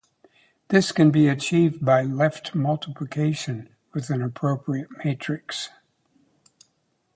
This can be achieved by left-multiplication with an appropriate matrix.